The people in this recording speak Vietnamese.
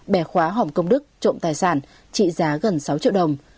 bẻ khóa hòm công đức trộm tài sản trị giá gần sáu triệu đồng